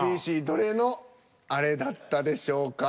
ＡＢＣどれの「あれ？」だったでしょうか？